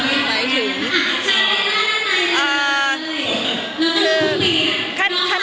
จะลองสิ้นมือไหมถึง